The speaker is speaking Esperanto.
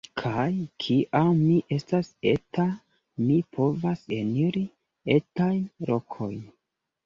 Kaj kiam mi estas eta, mi povas eniri etajn lokojn.